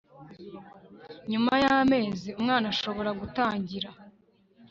nyuma y'amezi umwana ashobora gutangira